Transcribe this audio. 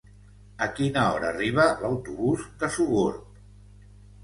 A quina hora arriba l'autobús de Sogorb?